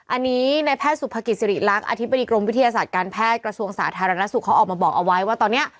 อันนี้ในแพทย์สุภกิจสิริรักษ์อธิบดีกรมวิทยาศาสตร์การแพทย์กระทรวงสาธารณสุขเขาออกมาบอกเอาไว้ว่าตอนนี้